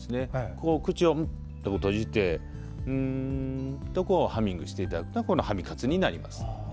こう口を閉じて「んん」とハミングしていただくとこのハミ活になります。